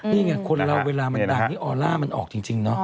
นี่ไงคนเราเวลามันดังนี่ออร่ามันออกจริงเนาะ